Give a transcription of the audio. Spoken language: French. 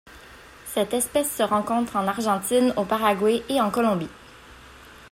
Cette espèce se rencontre en Argentine, au Paraguay et en Colombie.